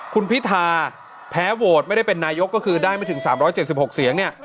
คุณพิธาแพ้โหวตไม่ได้เป็นนายกก็คือได้ไม่ถึง๓๗๖เสียงเนี่ย